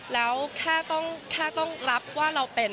แล้วแค่ต้องรับว่าเราเป็น